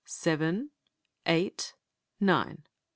"Seven, eight, nine!"